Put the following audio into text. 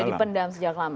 sudah dipendam sejak lama